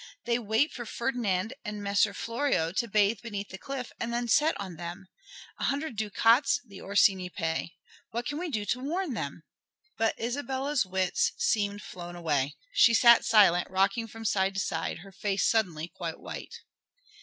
They wait for Ferdinand and Messer Florio to bathe beneath the cliff and then set on them. An hundred ducats the Orsini pay. What can we do to warn them?" But Isabella's wits seemed flown away. She sat silent, rocking from side to side, her face suddenly quite white.